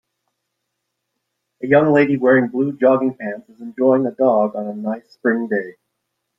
A young lady wearing blue jogging pants is enjoying a jog on a nice spring day.